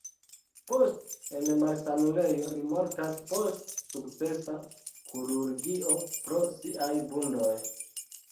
Post en malsanulejo li mortas post sukcesa kirurgio pro siaj vundoj.